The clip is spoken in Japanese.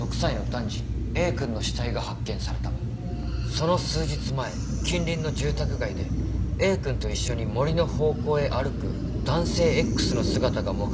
その数日前近隣の住宅街でＡ君と一緒に森の方向へ歩く男性Ｘの姿が目撃されていた。